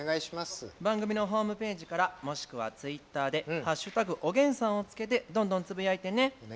番組のホームページからもしくはツイッターで「＃おげんさん」を付けてどんどん、つぶやいてね。